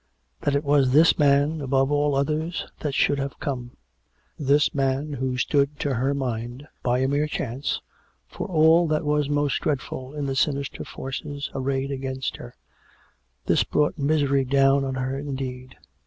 That it was this man, above all others, that should have come; this man, who stood to her mind, by a mere chance, for all that was most dreadful in the sinister forces arrayed against her — this brought misery down on her indeed.